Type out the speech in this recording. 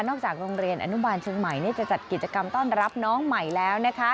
จากโรงเรียนอนุบาลเชียงใหม่จะจัดกิจกรรมต้อนรับน้องใหม่แล้วนะคะ